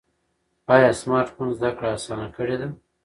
ایا سمارټ فون زده کړه اسانه کړې ده؟